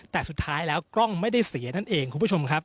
แต่สุดท้ายแล้วกล้องไม่ได้เสียนั่นเองคุณผู้ชมครับ